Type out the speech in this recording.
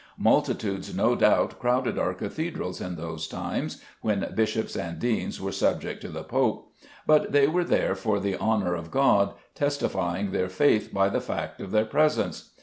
Multitudes, no doubt, crowded our cathedrals in those times, when bishops and deans were subject to the Pope but they were there for the honour of God, testifying their faith by the fact of their presence.